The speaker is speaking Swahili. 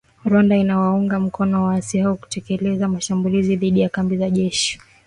Rwanda inawaunga mkono waasi hao kutekeleza mashambulizi dhidi ya kambi za jeshi